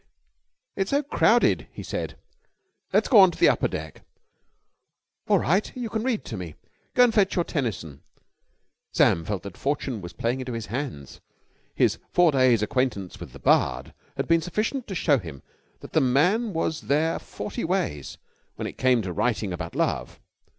"It's so crowded," he said. "Let's go on to the upper deck." "All right. You can read to me. Go and fetch your Tennyson." Sam felt that fortune was playing into his hands. His four days' acquaintance with the bard had been sufficient to show him that the man was there forty ways when it came to writing about love.